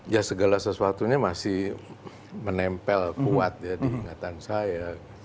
ya segala sesuatunya masih menempel kuat ya diingatan saya